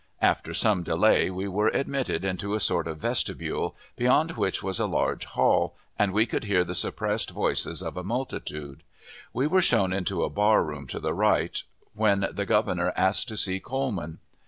After some delay we were admitted into a sort of vestibule, beyond which was a large hall, and we could hear the suppressed voices of a multitude. We were shown into a bar room to the right, when the Governor asked to see Coleman.